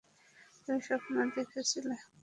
তুমি সপ্ন দেখছিলে।